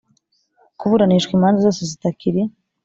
Kuburanishwa imanza zose zitakiri